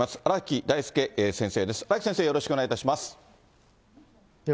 荒木先生、よろしくお願いいたします。